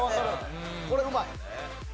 これうまい！